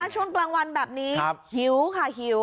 ช่วงกลางวันแบบนี้หิวค่ะหิว